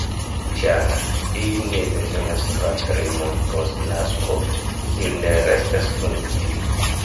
Ĉar ili ne bezonas patrinon post nasko, tiu ne restas kun ili.